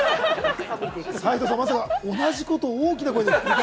まさか同じことを大きな声で？